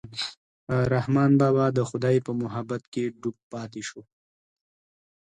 رحمان بابا د خدای په محبت کې ډوب پاتې شو.